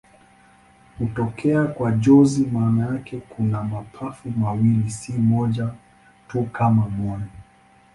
Hutokea kwa jozi maana yake kuna mapafu mawili, si moja tu kama moyo.